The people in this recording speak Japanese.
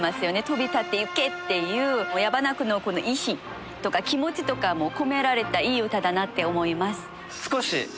「飛び立ってゆけ」っていう矢花君のこの意志とか気持ちとかも込められたいい歌だなって思います。